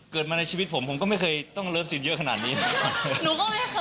เกิดมาในชีวิตผมผมก็ไม่เคยต้องเลิฟซีนเยอะขนาดนี้